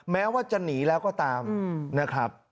แม้ว่าจะหนีแล้วก็ตามนะครับ